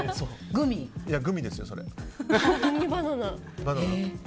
グミですよ、それ。